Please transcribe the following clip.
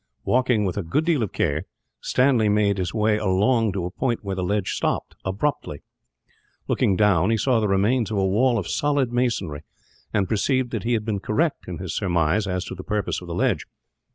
Walking with a good deal of care, Stanley made his way along to a point where the ledge stopped, abruptly. Looking down, he saw the remains of a wall of solid masonry, and perceived that he had been correct in his surmise as to the purpose of the ledge.